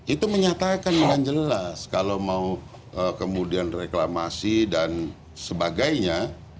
itu menyatakan dengan jelas kalau mau kemudian reklamasi dan sebagainya